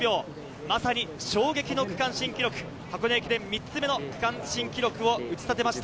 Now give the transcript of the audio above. まさに衝撃の区間新記録、箱根駅伝３つ目の区間新記録を打ち立てました